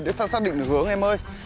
để phát xác định hướng em ơi